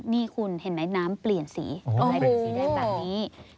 นี่คุณเห็นไหมน้ำเปลี่ยนสีกลายเป็นสีแดงแบบนี้